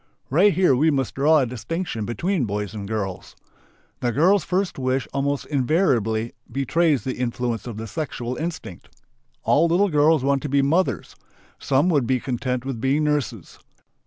Right here we must draw a distinction between boys and girls. The girl's first wish almost invariably betrays the influence of the sexual instinct. All little girls want to be "mothers"; some would be content with being "nurses."